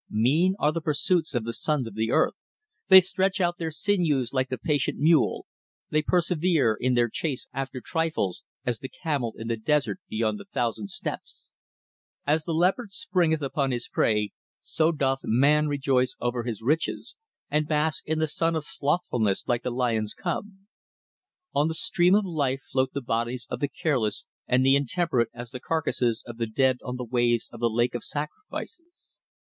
Mean are the pursuits of the sons of the earth; they stretch out their sinews like the patient mule, they persevere in their chase after trifles, as the camel in the desert beyond the Thousand Steps. As the leopard springeth upon his prey, so doth man rejoice over his riches, and bask in the sun of slothfulness like the lion's cub. On the stream of life float the bodies of the careless and the intemperate as the carcases of the dead on the waves of the Lake of Sacrifices.